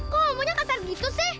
kok omonya katar gitu sih